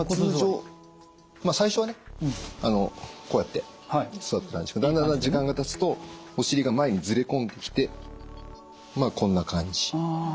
通常最初はねこうやって座ってだんだんだんだん時間がたつとお尻が前にずれ込んできてまあこんな感じ。